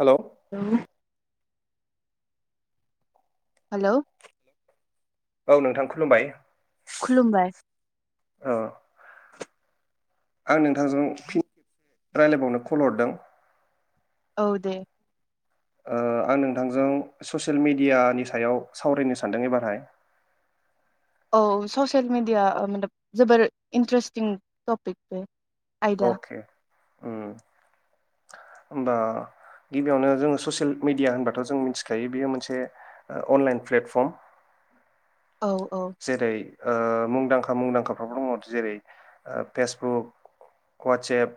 हेल' hello hello औ नोंथां खुलुमबाय। खुलुमबाय। ओ आं नोंथांजों फिन राय्लायबावनो कल हरदों। औ दे। ओ, नोंथांजों ससियेल मिडियानि सायाव सावरायनो सानदों एबारहाय। औ, ससियेल मिडिया [unintelligible] जोबोर इन्ट्रेस्टिं टपिक बे। आयदा अखे। ओम, होमबा गिबियावनो जोङो ससियेल मिडिया होनबाथ' जों मिथिखायो बेयो मोनसे अनलाइन प्लेटफर्म। औ औ जेरै ओ, मुंदांखा मुंदांखा [unintelligible] जेरै फेसबुक, वाटसेएप,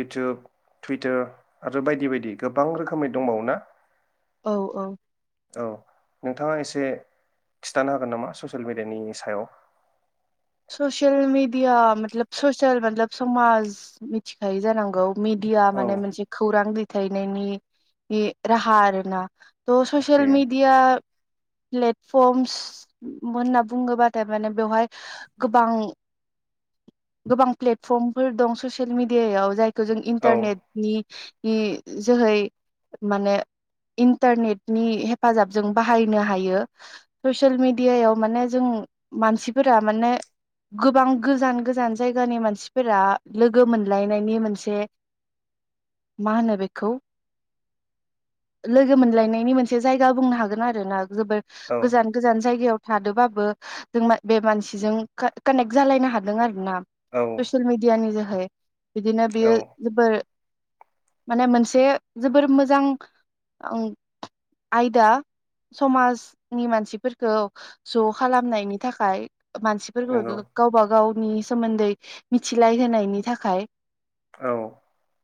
इउटुब, टुइटार आरो बायदि बायदि गोबां रोखोमै दंबावोना? औ औ। औ नोंथाङा एसे खिन्थानो हागोन नामा ससियेल मिडियानि सायाव ससियेल मिडिया मतलब ससियेल मतलब समाज मिथिखायो जानांगौ मिडिया माने औ मोनसे खौरां थायनायनि राहा आरो ना त ससियेल अके मिडिया ले फर्मस होनना बुङोबाथाय माने बेवहाय गोबां गोबां प्लेटफर्मफोर दं ससियेल मिडियायाव जाय जों औ इन्टारनेटनि जोहै माने इन्टारनेटनि हेफाजाबजों बाहायनो हायो ससियेल मेडियायाव माने जों मानसिफोरा माने गोबां गोजान गोजान जायगानि मानसिफोरा लोगो मोनलायनायनि मोनसे मा होनो बेखौ लोगो मोनलायनायनि मोनसे जायगा बुंनो हागोन आरो ना। जोबोर औ गोजान गोजान जायगायाव थादोबाबो जों बे मानसिजों का-कानेक्ट जालायनो हादों आरो ना। औ ससियेल मिडियानि नि जो है। बिदिनो औ बियो जोबोर माने मोनसे जोबोर मोजां आयदा समाजनि मानसिफोरखौ ज' खालामनायनि थाखाय मान जोङो नंगौ गावबा गाव नि सोमोन्दै मिथिलाय होनायनि थाखाय औ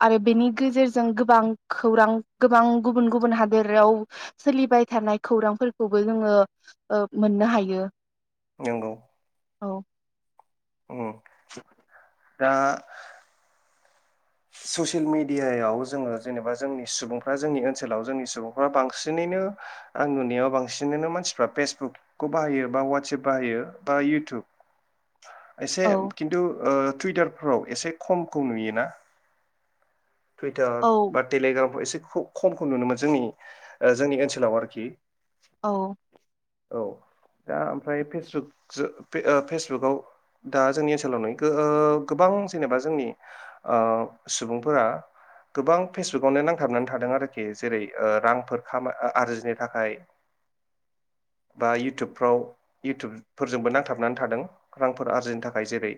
आरो बेनि गेजेरजों गोबां खौरां गोबां गुबुन गुबुन हादोराव सोलिबाय थानाय खौरांफोरखौबो जोङो मोननो हायो। नंगौ औ उम दा ससियेल मेडियायाव जोङो जेनेबा जोंनि सुबुंफ्रा जोंनि ओनसोलाव जोंनि सुबुंफ्रा बांसिनैनो आं नुनायाव बांसिनैनो मानसिफ्रा फेसबुकखौ बाहायो बा ववाट्सएप बाहायो बा इयउथुब एसे औ खिन्थु ओ टुइटारफोराव एसे खमखौ नुयोना? टुइटार औ बा टेलिग्राम एसे खमखौ नुनो मोनो जोंनि जोंनि ओनसोलाव आरोखि। औ औ दा ओमफ्राय फेसबुक फेसबुकआव दा जोंनि ओनसोलाव नै ओ गोबां जेनेबा जोंनि ओ सुबुंफोरा गोबां फेसबुकवनो नांथाबनानै थादों आरोखि जेरै रांफोर खामाय आरजिनो थाखाय बा इउटुबफ्राव इउटुबफोरजोंबो नांथाबनानै थादों रांफोर आरजिनो थाखाय जेरै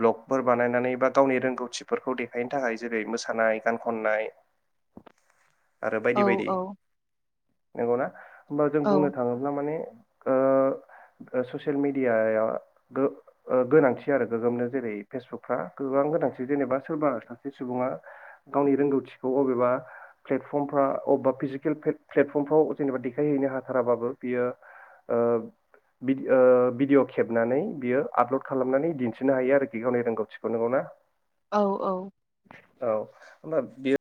ब्लगफोर बानायनानै बा गावनि रोंगौथिफोरखौ देखायनो थाखाय जेरै मोसा सानाय गान खननाय आरो औ बायदि बायदि। औ नंगौ ना? होमबा जों औ बुंनो थाङोब्ला माने ओ ससियेल मेडियाया गोनांथि आरो गोगोमनो जेरै फेसबुकफ्रा गोबां गोनांथि जेनेबा सोरबा सासे सुबुङा गावनि रोंगौथिखौ अबेबा प्लेटफर्मफ्राव अबेबा फिजिकेल प्लेटफर्मफ्राव जेनेबा देखायहैनो हाथाराबाबो बियो ओ भिडिअ खेबनानै बियो आपलड खालामनानै दिन्थिनो हायो आरोखि गावनि रोंगौथिखौ नोंगौना? औ औ औ होमबा बेयो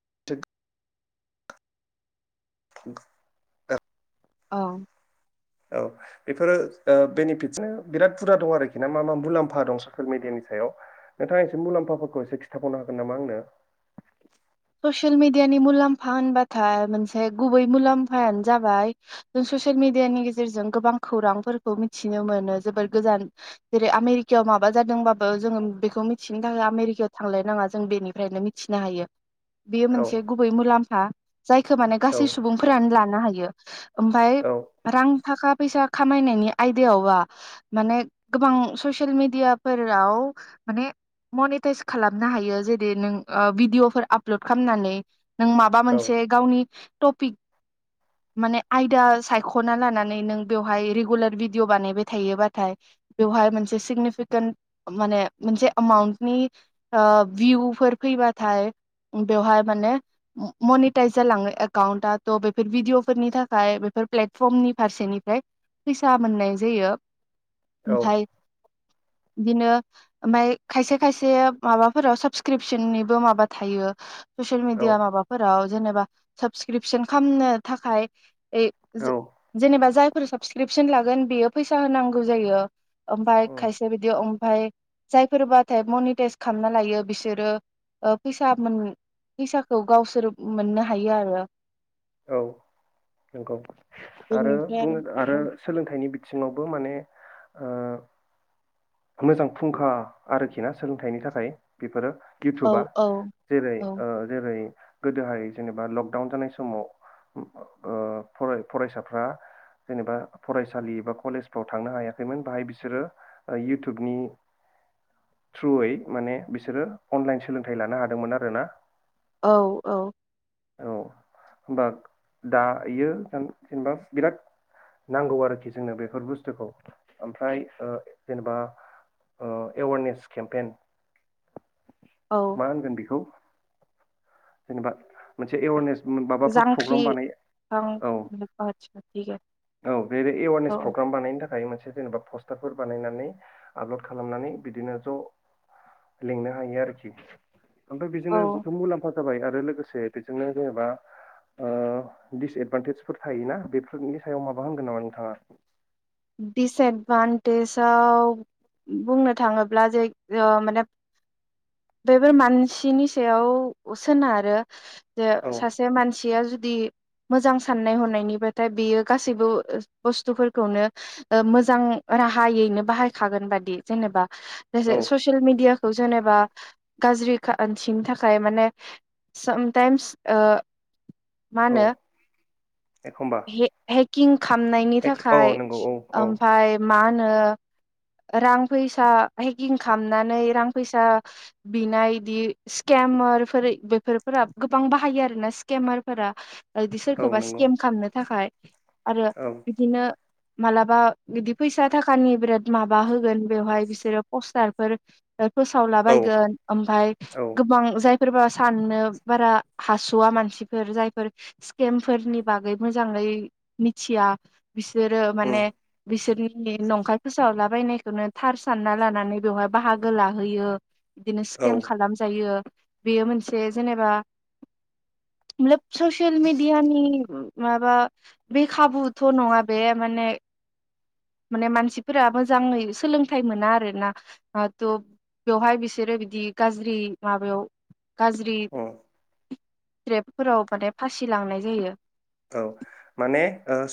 [unintelligible] [unintelligible] औ औ बेफोरो अ बेनिफिटसजों बिराद हुदा दं आरोखि ना मा मा मुलाम्फा दं ससियेल मिडियानि सायाव नोंथाङा एसे मुलाम्फाफोरखौ एसे खिन्थाबावनो हागोन नामा आंनो? ससियेल मिडियानि मुलाम्फा होनबाथाय मोनसे गुबै मुलाम्फायानो जाबाय जों ससियेल मिडियानि गेजेरजों गोबां खौरांफोरखौ मिथिनो मोनो जोबोर गोजान जेरै- आमेरिकायाव माबा जादों बा ओ जोङो बेखौ मिथि आमेरिकायाव थांलायनाङा जों बेनिफ्रायनो मिथिनो हायो। बेयो औ मोनसे गुबै मुलाम फा जायखौ माने औ गासै सुबुंफोरानो लानो हायो। ओमफाय औ रां थाखा फैसा खामायनायनि आयदायावबा माने गोबां ससियेल मेडियाफोराव माने मनिटाइस खालामनो हायो जेरै नों ओ भिडिअफोर आप लड खालामनानै नों माबा औ मोनसे गावनि टपिक माने आयदा सायख'ना लानानै नों बेवहाय रेगुलार भिडिअ' बानायबाय थायोबाथाय बेवहाय मोनसे सिगनिफिकेन्ट माने मोनसे एमाउन्टनि ओ भिउफोर फैबाथाय बेवहाय माने मनिटाइस जालाङो एकाउन्ट आ त' बेफोर भिडिअ फोरनि थाखाय बेफोर प्लेटफर्मनि फारसेनिफ्राय फैसा मोननाय जायो। औ ओमफ्राय बिदिनो ओमफ्राय खायसे खायसे माबाफोराव साबसक्रिपसननिबो माबा थायो ससियेल मिडिया औ माबाफोराव जेनेबा साबसक्रिपसन खामनो थाखाय ए जेनेबा जायफोर साबसक्रिपसन लागोन बेयो फैसा होनांगौ जायो। ओमफ्राय औ खायसे बिदियाव ओम फाय जायफोरबाथाय मनिटाइस खामना लायो बिसोरो ओ फैसा मोन फैसाखौ गावसोर मोननो हायो आरो औ नंगौ आरो बुंनो आरो सोलोंथाइनि बिथिङावबो माने ओ मोजां फुंखा आरोखि ना सोलोंथाइनि थाखाय बेफोरो औ इउटुबा औ जेरै औ ओ जेरै गोदोहाय जेनेबा लकडाउन जानाय समाव ओ फराय-फरायसाफ्रा जेनेबा फरायसालि बा कलेजफ्राव थांनो हायाखैमोन बाहाय बिसोरो इउटुबनि थ्रुयै माने बिसोरो अनलाइन सोलोंथाइ लानो हादोंमोन आरो ना औ औ औ होमबा दायो होन जेनेबा बिराद नांगौ आरोखि जोंनो बेफोर बुस्थुखौ ओमफ्राय ओ जेनेबा ओ एवारनेस केमपेन औ मा होनगोन बेखौ? जेनेबा मोनसे एवारनेस माबाफोर जांख्रि प्रग्राम बानायो औ आं औ बे एवारनेस औ प्रग्राम बानायनो थाखाय मोनसे जेनेबा पस्टारफोर बानायनानै आपल'ड खालामनानै बिदिनो ज' लिंनो हायो आरोखि जोंथ बेजोंनो औ दुथ' मुलाम्फा जाबाय आरो लोगोसे बेजोंनो जेनेबा ओ दिसएदभान्टेजफोर थायोना बेफोरनि सायाव माबा होनगोन नामा नोंथाङा? दिसएदभान्टेजाव बुंनो थाङोब्ला जे ओ माने बेैफोर मानसिनि सायाव सोनारो जे औ सासे मान मानसिया जुदि मोजां साननाय हनायनिबाथाय बेयो गासैबो बुस्थुफोरखौनो मोजां राहायैनो बाहायखागोन बादि जेनेबा जसे ससियेल मिडया खौ जेनेबा गाज्रिथिनि थाखाय माने सामटाइमस मा औ होनो एखमबा हे-हेकिं खालामनायनि एखे औ थाखाय नंगौ औ औ ओमफफ्राय मा नो रां फैसा हेकिं खालामनानै रां फैसा बिनायदि स्केमारफोर बेफोरफोरा गोबां बाहायो आरोना स्केमार फोरा आरोदि औ सोरखौबा नंगौ स्केम खालामनो थाखाय आरो औ बिदिनो मालाबा बिदि फैसा थाखानि बिराद माबा होगोन बेवहाय बिसोरो पस्टारफोर औ फोसावलाबायगोन ओमफ्राय औ गोबां जाय। फोरबा साननो बारा हास'वा मानसिफोर जायफोर स्केमफोरनि बागै मोजाङै मिथिया बिस बिसोरो उम माने बिसोरनि नंखाय फोसावलाबायनायखौनो, थार सानना लानानै बेवहाय बाहागो लाहैयो। बिदिनो औ स्केम खालामजायो। बेयो मोनसे जेनेबा मोब ससियेल मिेडियानि माबा बे खाबुथ' नङा। बे माने माने मानसिफोरा मोजाङै सोलोंथाइ मोना आरोना। थ' बेवहाय बिसोरो बिदि गाज्रि माबायाव कार्जि उम ्रेपफोराव माने फासि लांनाय जायो। औ माने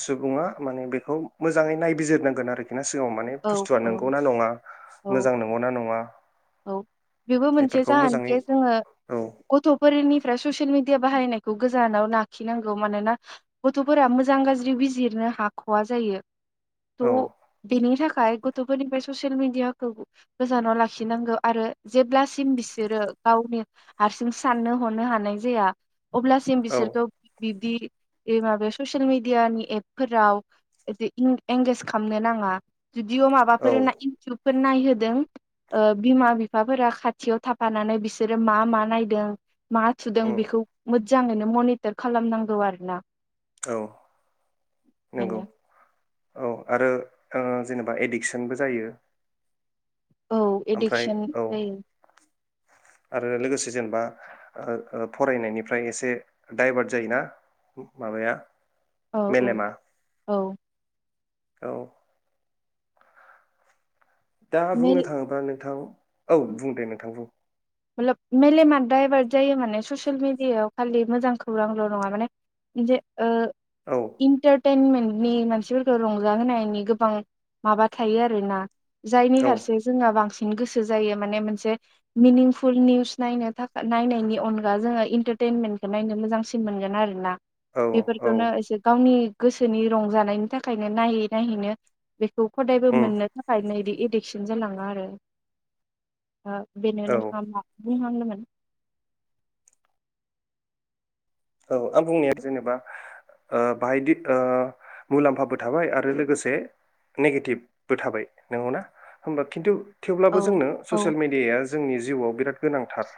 सुबुङा माने बेखौ मोजाङै नायबिजिरनांगोन आरोखि। बे सिगाङाव माने औ बुस्थुआ औ नंगौ नना नङा औ मोजां नंगौ ना नङा। औ बेबो मोनसे बेफोरखौ मोजाङै जाहानखे जोङो औ गथ'फोरनिफ्राय ससियेल मिडिया। खुदिया बाहायनायखौ गोजानाव लाखिनांगौ, मानोना गथ'फोरा मोजां गाज्रि बिजिरनो हाख'वा जायो। औ द'। बेनि थाखाय गथ'फोरनिफ्राय ससियेल मिडियाखौ गोजानाव लाखि। लाखिनांगौ आरो जेब्लासिम बिसोरो गावनि हारसिं साननो हरनो हानाय जाया। अब्लासिम औ बिसोरखौ बिब्दि माबायाव ससियेल मिेडियानि एपफोराव एंगेज खालामनो नाङा। जुदिअ औ माबाफोर ना इउटुबब। फोर नायहोदों। बिमा बिफाफोरा खाथियाव थाफानानै बिसोरो मा मा नायदों मा थुदों उम बेखौ मोजाङैनो मनिटर खालामनांगौ आरो ना। औ नंगौ बेनो औ आरो। जेनेबा एडिक्सनबो जायो। औ ओमफ्राय एडिकसन औ जायो। आरो लोगोसे जेनेबा फरायनायनिफ्राय एसे डाइभार्ट जायोना माबाया? औ औ मेलेमा औ। औ। दा बुंनो मेल थाङोबा नोंथां। औ बुं दे नोंथां। बुं। मेलेमा डाइभार्ट जायो माने ससियेल मिडियायाव खालि मोजां खौरांल' नङा माने जे अ औ इन्टार। टेनमेन्टनि मानसिफोरखौ रंजाहोनायनि गोबां माबा थायो आरोना। जायनि औ फारसे जोंना बांसिन। गोसो जायो माने मोनसे मिनिंफु फुल निउस नायनो थाखा नायनायनि अनगा जोङो इन्टारटेनमेन्टखौ नायनो मोजांसिन मोनगोन आरो ना। औ औ बेफोरखौनो एसे गावनि गोसोनि रंजानायनि थाखायनो नायै नायैनो बेखौ हदायबो उम मोननो थाखायनो इदि एडिक्सन जालाङा आरो। औ बेनोनो बुंहांदोंमोन? औ आं बुंनाया जेनेबा ओ बाहायदि ओ मुलाम्फाबो थाबाय आरो लोगोसे नेगेटिभबो थाबाय नंगौना होनबा खिन्थु औ थेवब्लाबो जोंनो औ ससियेल मेडियाया जोंनि जिउआव बिराद गोनांथार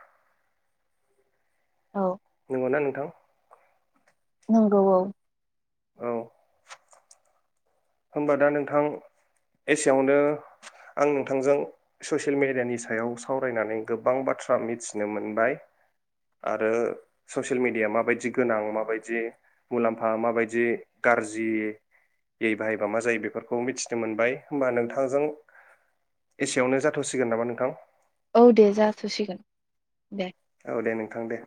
औ नंगौना नोंथां? नंगौ औ। औ होमबा दा नोंथां एसेयावनो आं नोंथांजों ससियेल मेडियानि सायाव सावरायनानै गोबां बाथ्रा मिथिनो मोनबाय आरो ससियेल मेडियाया माबायदि गोनां माबायदि मुलाम्फा माबायदि गाज्रि यै बाहायबा मा जायो बेफोरखौ मिथिनो मोनबाय होमबा नोंथांजों एसेयावनो जाथ'सिगोन नामा नोंथां? औ दे जाथ'सिगोन दे। औ दे नोंथां दे।